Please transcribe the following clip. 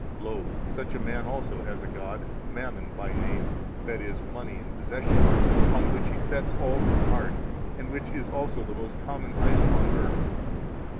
6 Lo, such a man also has a god, Mammon by name, i.e., money and possessions, on which he sets all his heart, and which is also the most common idol on earth.